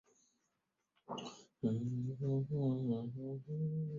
另外有很多插件可以用来扩展兼容性和功能。